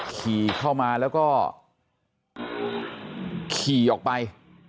ขี่เข้ามาแล้วก็ขี่ออกไป